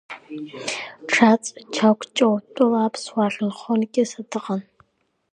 Чаҵә Чагә Ҷоутәыла аԥсуаа ахьынхо Анкьыса дыҟан.